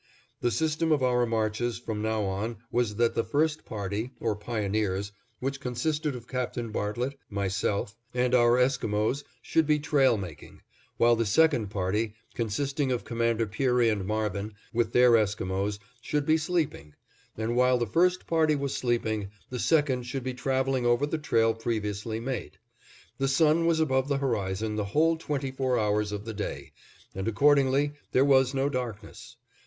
The system of our marches from now on was that the first party, or pioneers, which consisted of Captain Bartlett, myself, and our Esquimos, should be trail making, while the second party, consisting of Commander Peary and Marvin, with their Esquimos, should be sleeping; and while the first party was sleeping, the second should be traveling over the trail previously made. The sun was above the horizon the whole twenty four hours of the day, and accordingly there was no darkness.